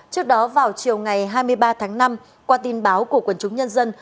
trước đó vào chiều ngày hai mươi ba tháng năm qua tin báo của quần chúng nhân dân